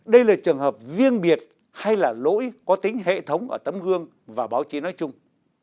đây là trường hợp riêng biệt hay là lỗi có tính hệ thống ở tấm gương và báo chí nói chung